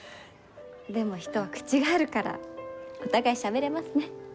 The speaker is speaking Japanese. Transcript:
でも人は口があるからお互い、しゃべれますね。